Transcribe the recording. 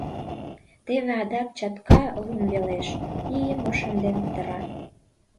Теве адак чатка лум велеш, ийым ошемден петыра.